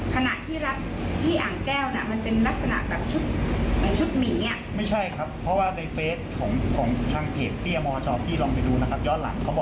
ขณะที่รูปที่ออกมาหน้ามอจนถึงเลี่ยวเข้าคล้อยพนาน